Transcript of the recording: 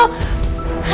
aku sudah nangis